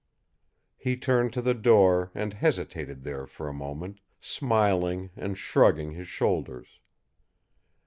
He turned to the door, and hesitated there for a moment, smiling and shrugging his shoulders.